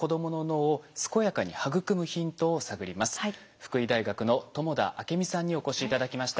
福井大学の友田明美さんにお越し頂きました。